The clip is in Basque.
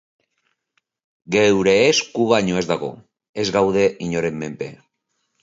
Geure esku baino ez dago, ez gaude inoren menpe.